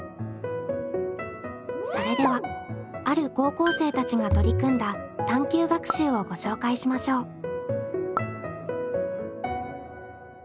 それではある高校生たちが取り組んだ探究学習をご紹介しましょう。